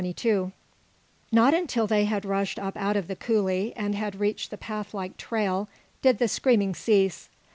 CHAPTER XXII Not until they had rushed up out of the coulee and had reached the pathlike trail did the screaming cease.